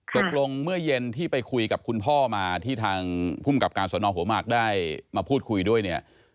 ตกลงเมื่อเย็นที่ไปคุยกับคุณพ่อมาที่ทางภูมิกับการสนหัวหมากได้มาพูดคุยด้วยเนี่ย